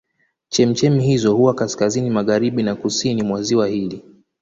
Chemchemi hizo huwa kaskazini magharibi na kusini mwa ziwa hili.